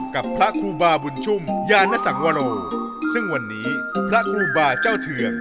กับพระครูบาบุญชุ่มยานสังวโรซึ่งวันนี้พระครูบาเจ้าเทือง